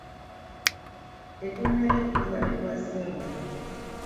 Tetunnalya okuva lwe twazze wano.